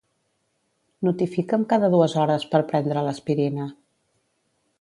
Notifica'm cada dues hores per prendre l'aspirina.